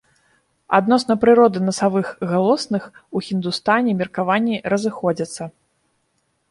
Адносна прыроды насавых галосных у хіндустані меркаванні разыходзяцца.